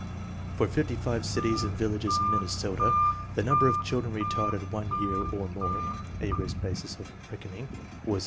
For 55 cities and villages in Minnesota, the number of children retarded one year or more (Ayres's basis of reckoning) was 30.